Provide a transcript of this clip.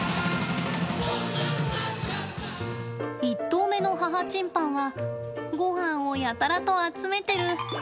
１頭目の母チンパンはごはんをやたらと集めてる。